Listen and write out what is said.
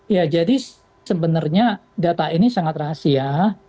ya jadi sebenarnya data ini sangat rahasia